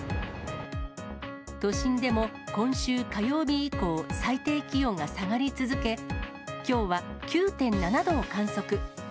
都心でも今週火曜日以降、最低気温が下がり続け、きょうは９．７度を観測。